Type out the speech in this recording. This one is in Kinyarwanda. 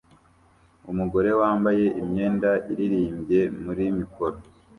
Umugore wambaye imyenda iririmbye muri mikoro